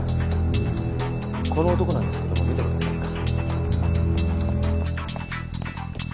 この男なんですけども見た事ありますか？